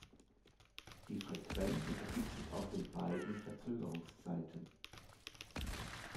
Die Frequenz ergibt sich aus den beiden Verzögerungszeiten.